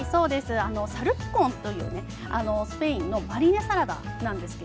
サルピコンというスペインのマリネサラダです。